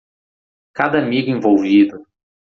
Cada amigo envolvido